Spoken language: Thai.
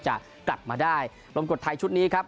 จะกลับมาได้ลมกดไทยชุดนี้ครับ